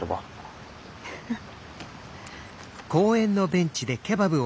フフッ。